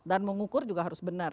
dan mengukur juga harus benar